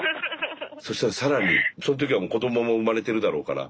そしたら更にその時はもう子どもも生まれてるだろうから。